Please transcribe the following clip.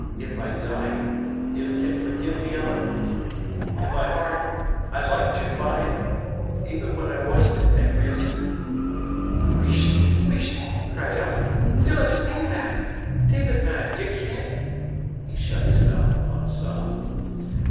If I die, ye'll can forgive me, Alan? In my heart, I liked ye fine even when I was the angriest." "Wheesht, wheesht!" cried Alan. "Dinna say that! David man, ye ken " He shut his mouth upon a sob.